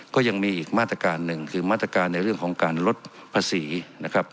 ก็ยังมีอีกมาตรการหนึ่งคือมาตรการในเรื่องของการลดภาษีนะครับ